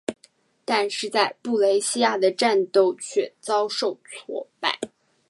但是在布雷西亚的战斗却遭受挫败。